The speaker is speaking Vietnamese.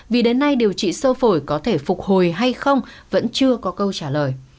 vì đến nay điều trị sơ phổi có thể phục hồi hay không vẫn chưa có câu trả lời